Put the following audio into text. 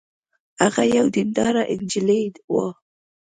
هغه یوه دینداره نجلۍ وه